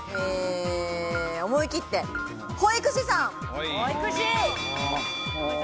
思い切って保育士さん。